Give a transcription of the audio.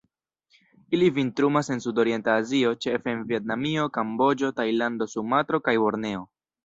Ili vintrumas en Sudorienta Azio, ĉefe en Vjetnamio, Kamboĝo, Tajlando, Sumatro kaj Borneo.